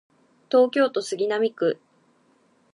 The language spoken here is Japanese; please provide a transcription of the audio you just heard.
東京都杉並区